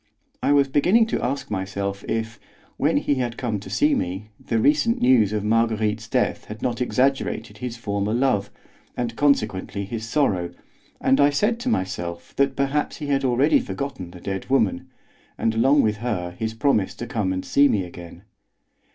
I was beginning to ask myself if, when he had come to see me, the recent news of Marguerite's death had not exaggerated his former love, and consequently his sorrow, and I said to myself that perhaps he had already forgotten the dead woman, and along with her his promise to come and see me again.